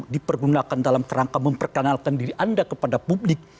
dipergunakan dalam kerangka memperkenalkan diri anda kepada publik